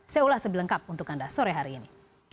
seulah sebilengkap untuk anda sore hari ini